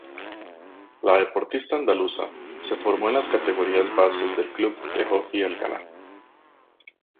La deportista andaluza se formó en las categorías bases del Club de Hockey Alcalá.